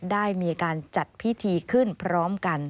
ได้มีการจัดพิธีขึ้นพร้อมกัน